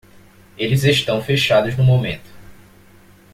Eles estão fechados no momento.